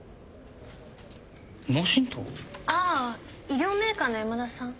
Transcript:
医療メーカーの山田さん